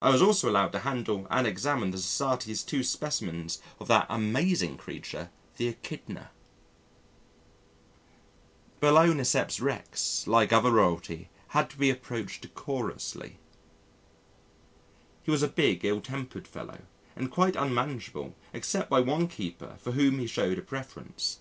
I was also allowed to handle and examine the Society's two specimens of that amazing creature the Echidna. Balœniceps rex like other royalty had to be approached decorously. He was a big, ill tempered fellow, and quite unmanageable except by one keeper for whom he showed a preference.